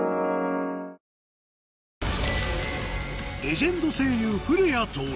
レジェンド声優古谷徹